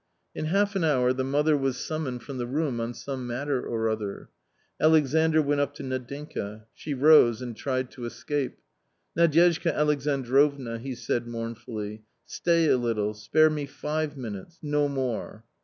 In half an hour the mother was summoned from the room on some matter or other. Alexandr went up to Nadinka. She rose and tried to escape. " Nadyezhda Alexandrovna !" he said mournfully, " stay a little, spare' me five minutes — no more."